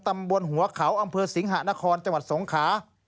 ตำบลหัวเขาอำเภอสิงหะนครจังหวัดสงขา